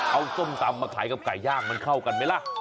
เอาส้มตำมาขายกับไก่ย่างมันเข้ากันไหมล่ะ